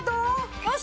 よし！